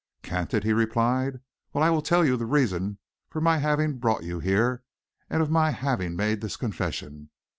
"Can't it!" he replied. "Well, I will tell you the real reason of my having brought you here and of my having made this confession.